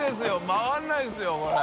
回らないですよこれ。